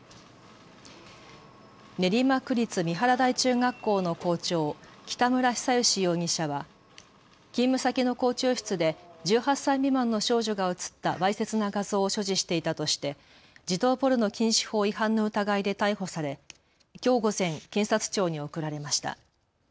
練馬区立三原台中学校の校長、北村比左嘉容疑者は勤務先の校長室で１８歳未満の少女が写ったわいせつな画像を所持していたとして児童ポルノ禁止法違反の疑いで逮捕されきょう午前、検察庁に送られました。